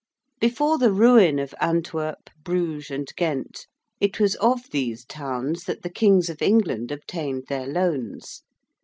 Before the ruin of Antwerp, Bruges, and Ghent, it was of these towns that the Kings of England obtained their loans.